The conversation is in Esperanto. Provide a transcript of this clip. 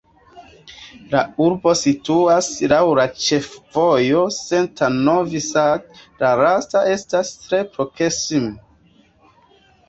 La urbo situas laŭ la ĉefvojo Senta-Novi Sad, la lasta estas tre proksime.